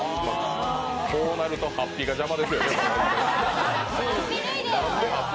こうなると法被が邪魔ですね。